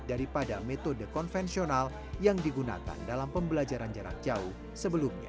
daripada metode konvensional yang digunakan dalam pembelajaran jarak jauh sebelumnya